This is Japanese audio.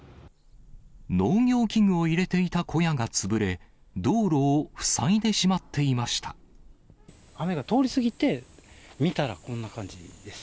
農業器具を入れていた小屋が潰れ、雨が通り過ぎて、見たら、こんな感じです。